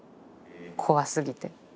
怖すぎて。